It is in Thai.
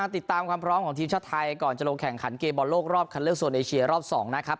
ติดตามความพร้อมของทีมชาติไทยก่อนจะลงแข่งขันเกมบอลโลกรอบคันเลือกโซนเอเชียรอบ๒นะครับ